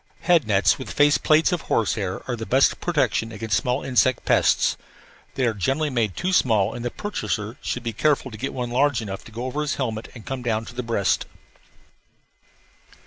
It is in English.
These helmets can be secured in Rio and Buenos Aires. Head nets with face plates of horsehair are the best protection against small insect pests. They are generally made too small and the purchaser should be careful to get one large enough to go over his helmet and come down to the breast.